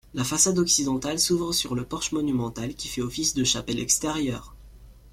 La façade occidentale s'ouvre sur le porche monumental, qui fait office de chapelle extérieure.